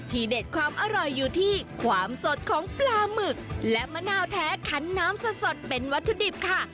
เด็ดความอร่อยอยู่ที่ความสดของปลาหมึกและมะนาวแท้ขันน้ำสดเป็นวัตถุดิบค่ะ